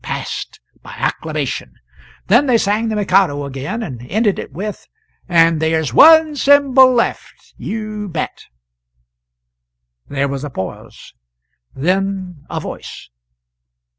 Passed, by acclamation; then they sang the "Mikado" again, and ended it with "And there's one Symbol left, you bet!" There was a pause; then A Voice.